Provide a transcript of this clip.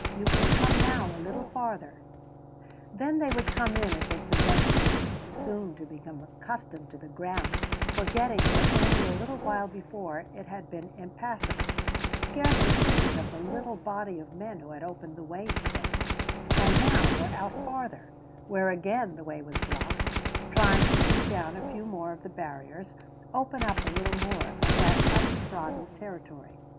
You can come now a little farther." Then they would come in and take possession, soon to become accustomed to the ground, forgetting that only a little while before it had been impassable, scarcely thinking of the little body of men who had opened the way for them, and now were out farther, where again the way was blocked, trying to beat down a few more of the barriers, open up a little more of that untrodden territory.